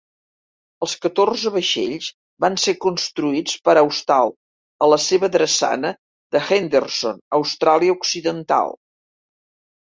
Els catorze vaixells van ser construïts per Austal a la seva drassana de Henderson, Austràlia Occidental.